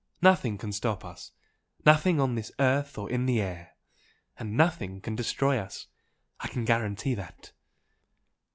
Nothing can stop us nothing on earth or in the air! and nothing can destroy us. I can guarantee that!"